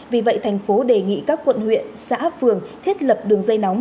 vì vậy thành phố đề nghị các quận huyện xã phường thiết lập đường dây nóng